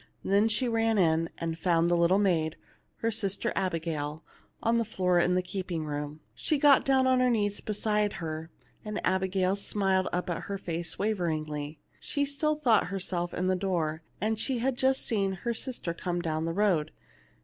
Then she ran in, and found the little maid, her sister Abigail, on the floor in the keeping room. She got down on her knees beside her, and Abigail smiled up in her face waveringly. She still thought herself in the door, and that she had just seen her sister come down the road.